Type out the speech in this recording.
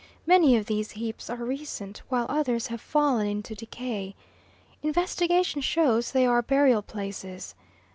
Many of these heaps are recent, while others have fallen into decay. Investigation shows they are burial places.